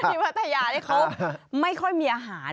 ที่พัทยาเนี่ยครบไม่ค่อยมีอาหาร